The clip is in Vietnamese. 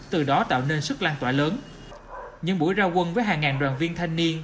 từ đó tạo nên sức lan tỏa lớn những buổi ra quân với hàng ngàn đoàn viên thanh niên